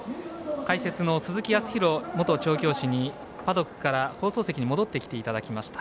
解説の鈴木康弘元調教師にパドックから放送席に戻ってきていただきました。